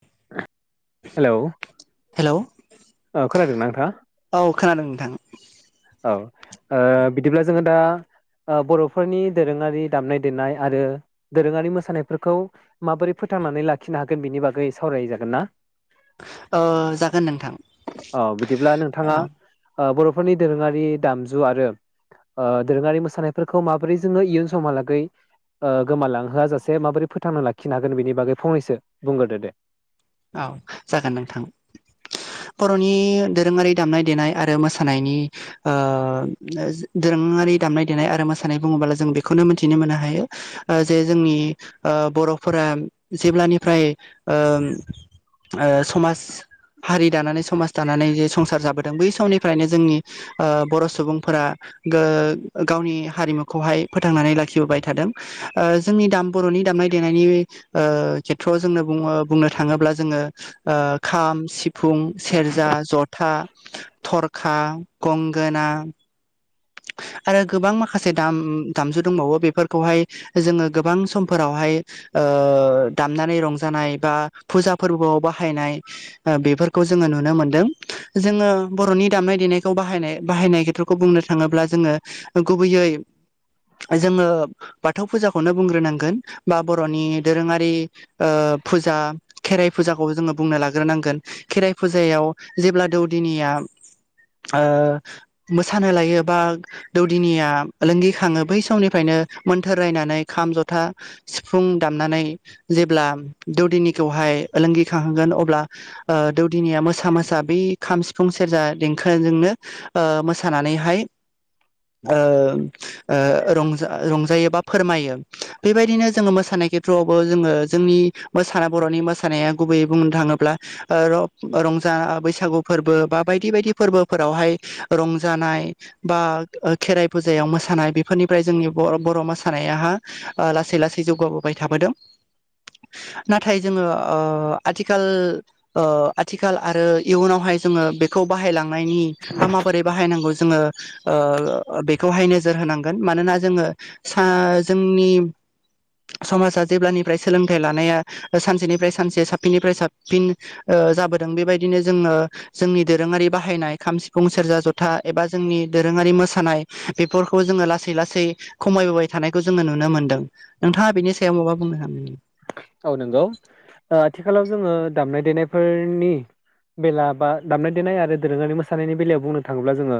[inaudible] Hello. Hello ओ खोनादों ना, नो थाङा। औ खोनादों नोंथां औ ओ बिदिब्ला जोङो दा ओ बर'फोरनि दोरोङारि दामनाय देनाय आरो दोरोङारि मोसानायफोरखौ माबोरै फोथांनानै लाखिनो हागोन बिनि बागै सावराय जागोन ना? ओ जागोन नोंथां अ बिदिब्ला नोंथाङा औ ओ बर' दोरोङारि दामजु आरो ओ दोरोङारि मोसानायफोरखौ माबोरै जोङो इयुन समहालागै ओ गोमालांहोआ जासे माबोरै फोथांना लाखिनो हागोन बेनि बागै फंनैसो बुंग्रोदो दे। औ जागोन नोंथां बर'नि दोरोङारि दामनाय देनाय आरो मोसानायनि ओ [unintelligible] दोरोङारि दामनाय देनाय आरो मोसानाय बुङोबोला जों बेखौनो मिथिनो मोननो हायो ओ जे जोंनि बर'फोरा जेब्लानिफ्राय ओम ओ समाज हारि दानानै समाज दानानै जे संसार जाबोदों बै समनिफ्रायनो जोंनि ओ बर' सुबुंफोरा गो गावनि हारिमुखौहाय फोथांनानै लाखिबोबाय थादों ओ जोंनि दाम बर'नि दामनाय देनायनि ओ खेथ्र'आव जोंनो बुङो बुंनो थाङोब्ला जोङो ओ खाम सिफुं सेरजा ज'था थ'रखा गंगोना आरो गोबां माखासे दाम-दामजु दंबावो बेफोरखौहाय जोङो गोबां समफोरावहाय ओ दामनानै रंजानाय बा फुजा फोरबोआव बाहायनाय बेफोरखौ जोङो नुनो मोनदों जोङो बर'नि दामनाय देनायखौ बाहायनाय-बाहायनाय खेथ्र'खौ बुंनो थाङोब्ला जोङो गुबैयै जोङो बाथौ फुजाखौनो बुंग्रोनांगोन बा बर'नि दोरोङारि ओ फुजा खेराइ फुजाखौ जोङो बुंनो लाग्रोनांगोन खेराइ फुजायाव जेब्ला दौदिनिया ओ मोसानो लायो बा दौदिनिया लोंगिखाङो बै समनिफ्रायनो मोन्थोर रायनानै खाम ज'था सिफुं दामनानै जेब्ला दौदिनिखौहाय ओलोंगिखांहांगोन अब्ला ओ दौदिनिया मोसा मोसा बै खाम सिफुं सेरजा देंखोजोंनो मोसानानैहाय ओ ओ रंजा रंजायो बा फोरमायो, बेबायदिनो जोङो मोसानाय खेथ्र'आवबो जोङो जोंनि मोसाना बर'नि मोसानाया गुबैयै बुंनो थाङोब्ला ओ र' रंजा बैसागु फोरबो बा बायदि बायदि फोरबोफोरावहाय रंजानाय बा ओखेराइ फुजायाव मोसानाय बेफोरनिफ्राय जोंनि ब' बर' मोसानायाहा ओ लासै लासै जौगाबोबाय थाबोदों। नाथाय जोङो ओ आथिखाल ओ आथिखाल आरो इयुनावहाय जोङो बेखौ बाहायलांनायनि बा माबोरै बाहायनांगौ। जोङो। ओ बेखौहाय नोजोर होनांगोन मानोना जोङो सा जोंनि समाजा जेब्लानिफ्राय सोलोंथाइ लानाया सानसेनिफ्राय सानसे साबफिननिफ्राय साबफिन, ओ जाबोदों बेबायदिनो जोङो जोंनि दोरोङारि बाहायनाय खाम सिफुं सेरजा ज'था एबा जोंनि दोरोङारि मोसानाय बेफोरखौ जोङो लासै लासै खमायबोबाय थानायखौ जोङो नुनो मोन्दों। नोंथाङा बेनि सायाव माबा बुंनो [unintelligible] औ नंगौ ओ आथिखालाव जोङो दामनाय देनायफोरनि बेला बा दामनाय देनाय आरो दोरोङारि मोसानायनि बेलायाव बुंनो थाङोब्ला। जोङो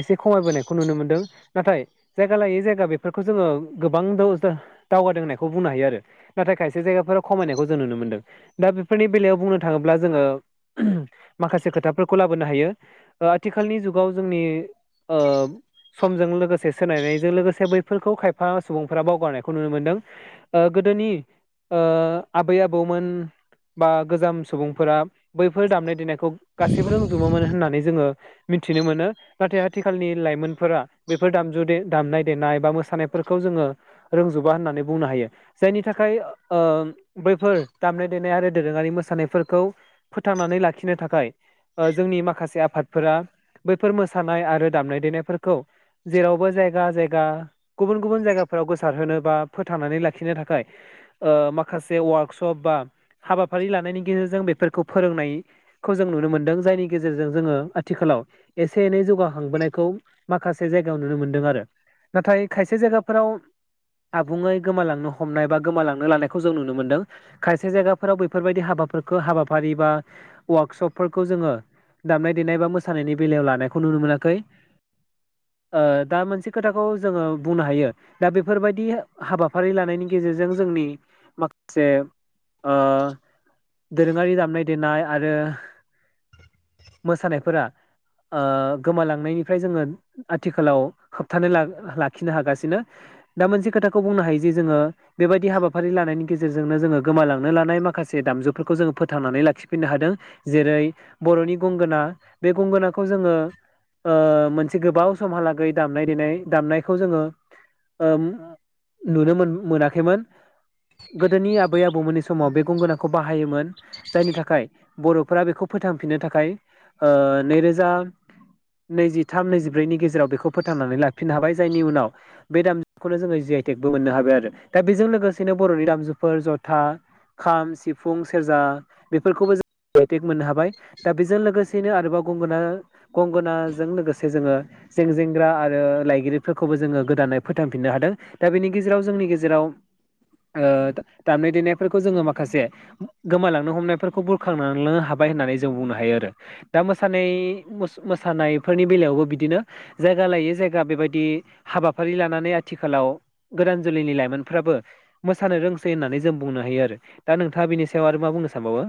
एसे खमायबोनायखौ नुनो मोनदों नाथाय जायगा लायै जायगा बेफोरखौ जोङो गोबां दावजा दावगादों होननायखौ बुंनो हायो आरो। नाथाय खायसे जायगाफोराव खमायनायखौ जों नुनो मोन्दों दा बेफोरनि बेलायाव बुंनो थाङोब्ला जोङो [unintelligible] माखासे खोथाफोरखौ लाबोनो हायो। ओ आथिखालनि जुगाव जोंनि ओ समजों लोगोसे सोनायनायजों लोगोसे बैफोरखौ खायफा सुबुंफोरा बावगारनायखौ नुनो मोनदों। ओ गोदोनि ओ आबै आबौमोन बा गोजाम सुबुंफोरा बैफोर दामनाय देनायखौ गासैबो रोंजोबोमोन होननानै जोङो मिथिनो मोनो। नाथाय आथिखालनि लाइमोनफोरा बेफोर दामजुदि दामनाय देनाय बा मोसानायफोरखौ जोङो रोंजोबा होननानै बुंनो हायो। जायनि थाखाय ओ बैफोर दामनाय देनाय आरो दोरोङारि मोसानायफोरखौ फोथांनानै लाखिनो थाखाय, ओ जोंनि माखासे आफादफोरा बैफोर मोसानाय आरो दामनाय देनायफोरखौ जेरावबो जायगा जायगा गुबुन गुबुन जायगाफोराव गोसारहोनो बा फोथांनानै लाखिनो थाखाय ओ माखासे वार्कश'प बा हाबाफारि लानायनि गेजेरजों बेफोरखौ फोरोंनाय खौ जों नुनो मोनदों जायनि गेजेरजों, जोङो आथिखालाव एसे एनै जौगाखांबोनायखौ माखासे जायगायाव नुनो मोनदों। आरो नाथाय खायसे जायगाफोराव आबुङै गोमालांनो हमनाय बा गोमालांनो लानायखौ जों नुनो मोनदों, खायसे जायगाफोराव बैफोरबायदि हाबाफोरखो हाबाफारि बा वार्कश'पफोरखौ जोङो दामनाय देनाय बा मोसानायनि बेलायाव लानायखौ नुनो मोनाखै। ओ दा मोनसे खोथाखौ जोङो बुंनो हायो दा बेफोरबायदि हाबाफारि लानायनि गेजेरज जों जोंनि [unintelligible] ओ दोरोङारि दामनाय देनाय आरो मोसानायफोरा ओ गोमालांनायनिफ्राय जोङो आथिखालाव होबथानो ला लाखिनो हागासिनो दा मोनसे खोथाखौ बुंनो हायो जे जोङो बेबायदि हाबाफारि लानायनि गेजेरजोंनो जोङो गोमालांनो लानाय माखासे दामजुफोरखौ जोङो फोथांनानै लाखिफिननो हादों। जेरै बर'नि गंगोना बे गंगोनाखौ जोङो ओ मोनसे गोबाव समहा लागै दामनाय देनाय दामनायखौ जोङो ओ नुनो मोनाखै। खैमोन गोदोनि आबै आबौमोननि समाव बे गंगोनांखौ बाहायोमोन। जायनि थाखाय बर'फोरा बेखौ फोथांफिननो थाखाय ओ नैरोजा नैजिथाम नैजिब्रैनि गेजेराव बेखौ फोथांनानै लाफिननो हाबाय। जायनि उनाव बे दामजुखौनो जोङो जिआइटेकबो मोननो हाबाय आरो। -दा बेजों लोगोसेनो बर'नि दामजुफोर जथा खाम सिफुं सेरजा बेफोरखौबो जों। जि आइ टेक मोननो हाबाय, दा बेजों लोगोसेैनो आरोबाव गंगोना गंगोनाजों लोगोसे जोङो जेंजेंग्रा आरो लायगिरिफोरखौबो जोङो गोदानै फोथांफिननो हादों। दा बेनि गेजेराव जोंनि गेजेराव जेराव ओ दामनाय देनायफोरखौ जोङो माखासे, गोमालांनो हमनायफोरखौ बुरखांलांनो हाबाय होननानै जों बुंनो हायो आरो। दा मोसानाय मोसानायफोरनि बेलायावबो बिदिनो जायगा लायै जायगा बेबायदि हाबाफारि लानानै आथिखालाव गोदान जोलैनि लाइ मोनफ्राबो मोसानो रोंसै होननानै जों बुंनो हायो। आरो दा नोंथाङा बिनि सायाव आरो मा बुंनो सानबावो?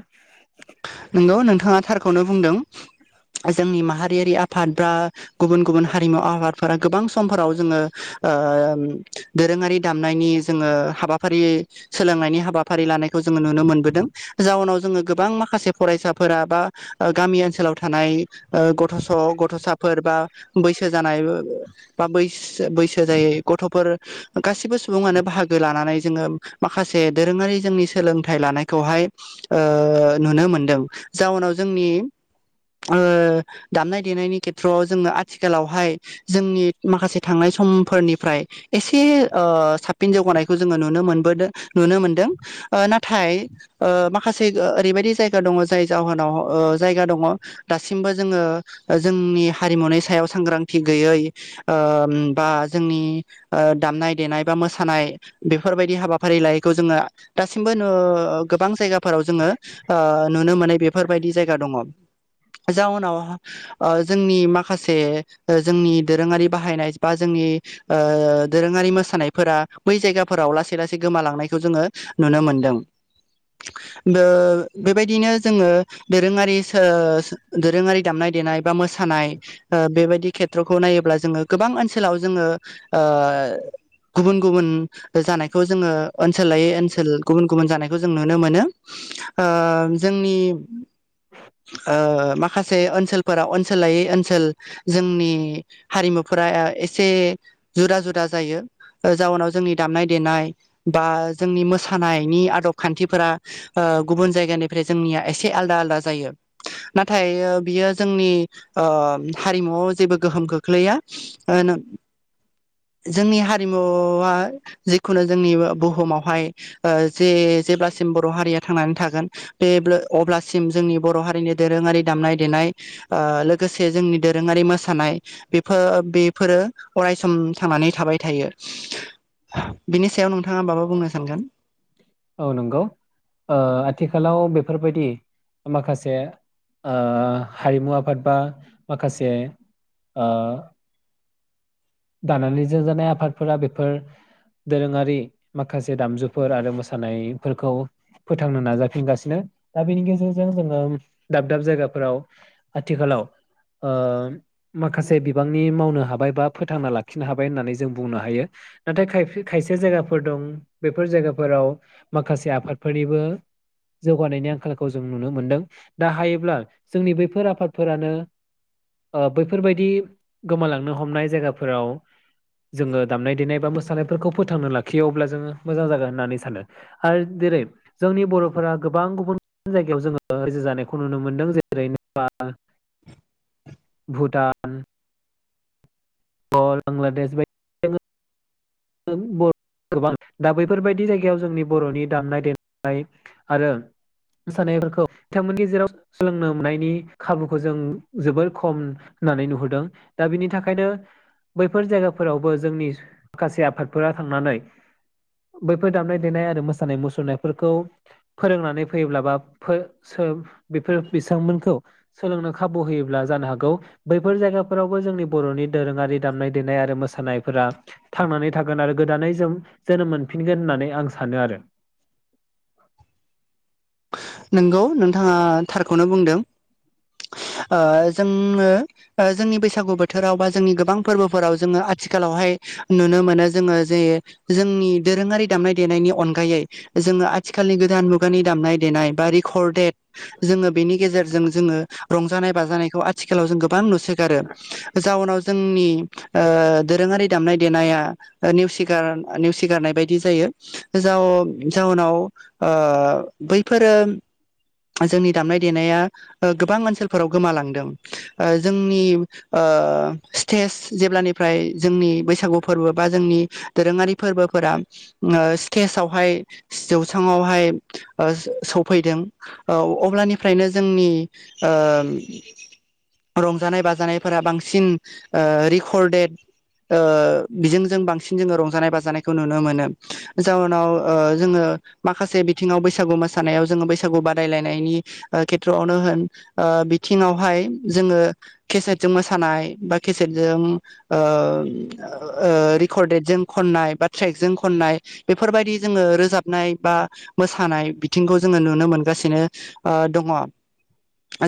खौनो बुंदों, जोंनि माहारियारि आफाद बा गुबुन गुबुन हारिमु आफादफोरा, गोबां समफोराव जोङो दोरोङारि दामनायनि जोङो हाबाफारि सोलोंनायनि हाबाफारि लानायखौ जोङो नुनो मोनबोदों। जाउनाव जोङो गोबां माखा माखासे फरायसाफोरा बा गामि ओनसोलाव थानाय। ओ गथ'स गथ'साफोर बा बैसो जानाय बा बै बैसो जायै गथ'फोर गासिबो सुबुङानो बाहागो लानानै जोङो माखासे दोरोङारि जोंनि सोलोंथाइ लानायखौहाय ओ नुनो मोनदों, जाउनाव जोंनि ओ दामनाय देनायनि खेथ्रआव जोङो आथिखालावहाय जोंनि माखासे थांनाय समफोरनिफ्राय एसे ओ साबसिन जौगानायखौ जोङो नुनो मोनबोदों। नुनो मोनदों, नाथाय माखासे ओ ओरैबायदि जायगा दङ जाय जाहोनाव जायगा दङ दासिमबो जोङो जोंनि हारिमुनि सायाव सांग्रांथि गैयै, ओ बा जोंनि दामनाय देनाय बा मोसानाय बेफोरबायदि हाबाफारि लायैखौ जोङो दासिमबो नो गोबां जायगाफोराव जोङो ओ नुनो मोननाय बेफोरबायदि जायगा दङ, जाउनाव ओ जोंनि माखासे जोंनि दोरोङारि बाहायनाय बा जोंनि ओ दोरोङारि मोसानायफोरा, बै जायगाफोराव लासै लासै गोमालांनायखौ जोङो नुनो मोनदों। बेबायदिनो जोङो दोरोङारि सो, दोरोङारि दामनाय देनाय बा मोसानाय ओ बेबायदि नि खेथ्रखौ नायोब्ला जोङो गोबां ओनसोलाव जोङो ओ गुबुन गुबुन जानाय खौ जोङो ओनसोलायै ओनसोल गुबुन गुबुन जानायखौ जों नुनो मोनो। ओ जोंनि ओ माखासे ओनसोलफोरााव ओनसोलायै ओनसोल। जोंनि हारिमुफोरा एसे जुदा जुदा जायो जाउनाव जोंनि दामनाय देनाय बा जोंनि मोसानायनि आदब खान्थिफोरा ओ गुबुन जायगानिफ्राय जोंनिया एसे आलदा आलदा जायो। नाथाय बियो जोंनि ओ हारिमुआव जेबो गोहोम खोख्लैया। ओ नोंजोंनि हारिमु जिखुनु जोंनि बुहुमावहाय जे जेब्लासिम बर' हारिया ओं थागोन, बे ब्ले अब्लासिम जोंनि बर' हारिनि दोरोङारि दामनाय देनाय ओ लोगोसे जोंनि दोरोङारि मोसानाय बेफोर बेफोरो अरायसम थांनानै थाबाय थायो। बिनि सायाव नोंथाङा माबा बुंनो सानगोन। औ नंगौ, ओ आथिखालाव बेफोरबायदि माखासे ओ हारिमु आफाद बा माखासे ओ दानानै जों जानाय आफादफोरा बेफोर दोरोङारि माखासे दामजु फोर आरो मोसानायफोरखौ फोथांनो नाजाफिनगासिनो दा बेनि गेजेरजों जोङो दाब दाब जायगाफोराव आथिखालाव ओ माखासे बिबांनि मावनो हाबाय बा फोथांना लाखिनो हाबाय होननानै जों बुंनो हायो नाथाय खायफा खायसे जायगाफोर दं बे बेफोर जायगाफोराव माखासे आफादफोरनिबो जौगानायनि आंखालखौ जों नुनो मोनदों दा हायोब्ला जोंनि बैफोर आफादफोरानो ओ बैफोरबायदि गोमालांनो हमनाय जायगाफोराव जोङो दामनाय देनाय बा मोसानायफोरखौ फोथांना लाखियो अब्ला जोङो मोजां जागोन होननानै सानो आरो जेरै जोंनि बर'फोरा गोबां गुबुन गुबुन जायगायाव जोङो रायजो जानायखौ नुनो मोनदों जेरै नेपाल भुटान ब बांलादेश बादि जों बर' गोबां दा बैफोरबायदि जायगायाव जोंनि बर'नि दामनाय देनाय आरो मोसानायफोरखौ बिथांमोननि जेराव सोलोंनो मोननायनि खाबुखौ जों जोबोर खम होननानै नुहुरदों दा बिनि थाखायनो बैफोर जायगाफोरावबो जोंनि माखासे आफादफोरा थांनानै बैफोर दामनाय देनाय आरो मोसानाय मुसुरनायफोरखौ फोरोंनानै फैयोब्ला बा फो सोम बेफोर बिथांमोनखौ सोलोंनो खाबु होयोब्ला जानो हागौ बैफोर जायगाफोरावबो जोंनि बर'नि दोरोङारि दामनाय देनाय आरो मोसानायफोरा थांनानै थागोन आरो गोदानै जों जोनोम मोनफिनगोन होननानै आं सानो आरो। नोंगौ नोंथाङा थारखौनो बुंदों। ओ जोङो जोंनि बैसागु बोथोराव बा जोंनि गोबां फोरबोफोराव जोङो आथिखालावहाय नुनो मोनो जोङो जे जोंनि दोरोङारि दामनाय देनायनि अनगायै जोङो आथिखालनि गोदान मुगानि दामनाय देनाय बा रेकर्डेड जोङो बेनि गेजेरजों जोङो रंजानाय बाजानायखौ आथिखालाव जों गोबां नुसोगारो जाउनाव जोंनि ओ दोरोङारि दामनाय देनाया नेवसिगार नेवसिगारनाय बायदि जायो जाव जाउनाव ओ बैफोरो जोंनि दामनाय देनाया ओ गोबां ओनसोलफोराव गोमालांदों ओ जोंनि ओ स्टेज जेब्लानिफ्राय जोंनि बैसागु फोरबो बा जोंनि दोरोङारि फोरबोफोरा ओ स्टेजावहाय जौस्रांआवहाय ओ सफैदों। औ अब्लानिफ्रायनो जोंनि ओ रंजानाय बाजानायफोरा बांसिन ओ रेकर्डेड ओ बिजों जों बांसिन जोङो रंजानाय बाजानायखौ नुनो मोनो जाउनाव ओ जोङो माखासे बिथिङाव बैसागु मोसानायाव जोङो बैसा बैसागु बादायलायनायनि ओ खेथ्र'आवनो होन ओ बिथिङावहाय जोङो केसेटजों मोसानाय बा केसेटजों ओ ओ रेकर्डेटजों खननाय बा ट्रेकजों खननाय बेफोरबायदि जोङो रोजाबनाय बा मोसानाय बिथिंखौ जोङो नुनो मोनो। गासिनो ओ दङ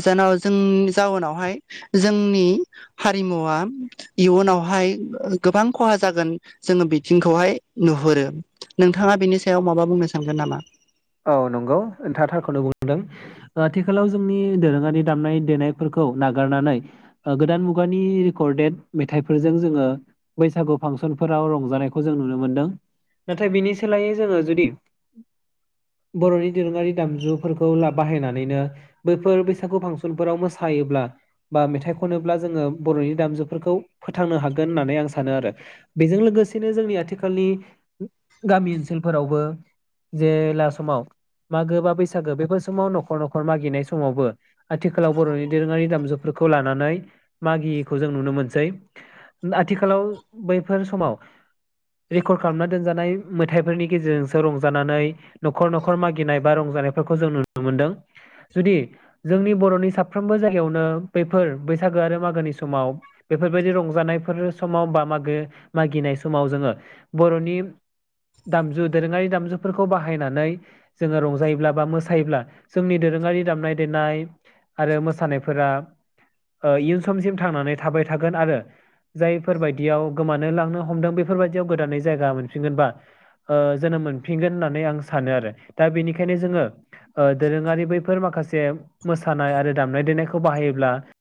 जानाव जोंनि जाउनावहाय जोंनि हारिमुवा इयुनावहाय गोबां खहा जागोन जोङो बिथिंखौहाय नुहुरो नोंथाङा बेनि सायाव माबा बुंनो सानगोन नामा? औ नंगौ नोंथांआ थारखौनो बुंदों आथिखालाव जोंनि दोरोङारि दामनाय देनायफोरखौ नागारनानै ओ गोदान मुगानि रेकर्डेड मेथाइफोरजों जोङो बैसागु फांसनफोराव रंजानायखौ जों नुनो मोनदों नाथाय बिनि सोलायै जोङो जुदि बर'नि दोरोङारि दामजुफोरखौ ला बाहायनानैनो बैफोर बैसागु फांसनफोराव मोसायोब्ला बा मेथाइ खनोब्ला जोङो बर'नि दामजुफोरखौ फोथांनो हागोन होननानै आं सानो आरो बेजों लोगोसेनो जोंनि आथिखालनि गामि ओनसोलफोरावबो जे लास समाव मागो बा बैसागो बेफोर समाव नखर न'खर मागिनाय समावबो आथिखालाव बर'नि दोरोङारि दामजुफोरखौ लानानै मागियैखौ जों नुनो मोनसै आथिखालाव बैफोर समाव रेकर्ड खालामना दोनजानाय मेथाइफोरनि गेजेरजोंसो रंजानानै न'खर न'खर मागिनाय बा रंजानायफोरखौ जों नुनो मोनदों जुदि जोंनि बर'नि साफ्रोमबो जायगायावनो बैफोर बैसागो आरो मागोनि समाव बेफोरबायदि रंजानायफोर समाव बा मागो मागिनाय समाव जोङो बर'नि दामजु दोरोङारि दामजुफोरखौ बाहा बाहायनानै जोङो रंजायोब्ला बा मोसायोब्ला जोंनि दोरोङारि दामनाय देनाय आरो मोसानायफोरा ओ इयुन समसिम थांनानै थाबाय थागोन आरो जायफोर बायदियाव गोमानो लांनो हमदों बेफोर बायदियाव गोदानै जायगा मोनफिनगोन बा ओ जोनोम मोनफिनगोन होननानै आं सानो आरो दा बेनिखायनो जोङो ओ दोरोङारि बैफोर माखासे मोसानाय आरो दामनाय देनायखौ बाहायोब्ला